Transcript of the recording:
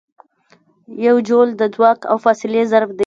یو جول د ځواک او فاصلې ضرب دی.